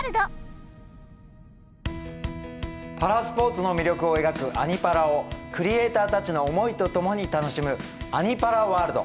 パラスポーツの魅力を描く「アニ×パラ」をクリエーターたちの思いとともに楽しむ「アニ×パラワールド」。